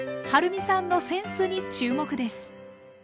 はるみさんのセンスに注目です！